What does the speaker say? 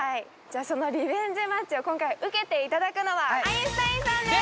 そのリベンジマッチを今回受けていただくのはアインシュタインさんです！